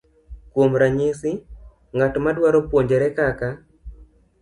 Kuom ranyisi, ng'at madwaro puonjre kaka